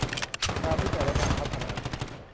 การวิจัยและการพัฒนา